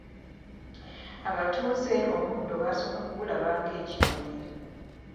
Abatuuze omuddo baasooka kugulaba nga ekimuli.